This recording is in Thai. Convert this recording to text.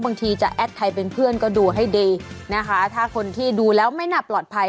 บางทีจะแอดไทยเป็นเพื่อนก็ดูให้ดีนะคะถ้าคนที่ดูแล้วไม่น่าปลอดภัย